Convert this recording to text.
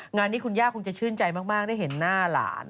งานนี้คุณย่าคงจะชื่นใจมากได้เห็นหน้าหลาน